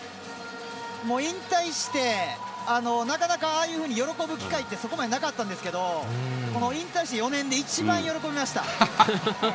引退してなかなかああいうふうに喜ぶ機会ってそこまでなかったんですけど引退して４年で一番喜びました。